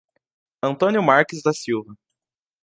Antônio Marques da Silva